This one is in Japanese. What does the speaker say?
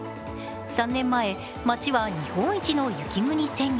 ３年前、町は日本一の雪国宣言。